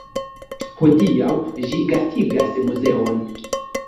Hodiaŭ ĝi gastigas muzeon.